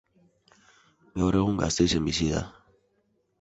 Gaur egun Gasteizen bizi da.